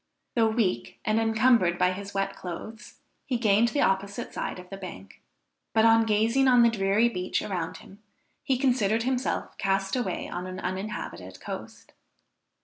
Though weak and encumbered by his wet clothes, he gained the opposite side of the bank, but on gazing on the dreary beach around him, he considered himself cast away on an uninhabited coast.